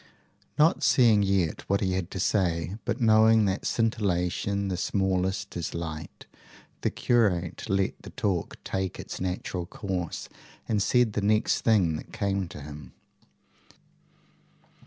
Not seeing yet what he had to say, but knowing that scintillation the smallest is light, the curate let the talk take its natural course, and said the next thing that came to him.